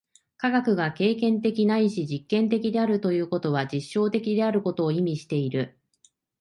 科学が経験的ないし実験的であるということは、実証的であることを意味している。